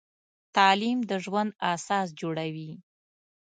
تعلیم د ژوند اساس جوړوي.